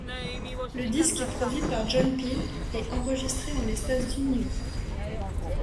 Le disque est produit par John Peel et enregistré en l'espace d'une nuit.